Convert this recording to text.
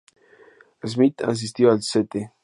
Smith asistió al St.